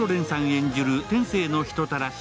演じる天性の人たらし